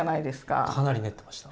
かなり練ってました。